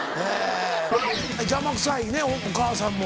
邪魔くさいねお母さんも。